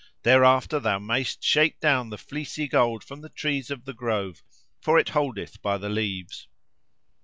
Thereafter thou mayst shake down the fleecy gold from the trees of the grove, for it holdeth by the leaves."